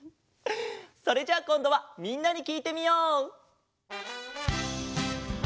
それじゃあこんどはみんなにきいてみよう！